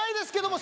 も